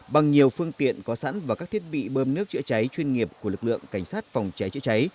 bằng nhiều phương tiện có sẵn và các thiết bị bơm nước chữa cháy chuyên nghiệp của lực lượng cảnh sát phòng cháy chữa cháy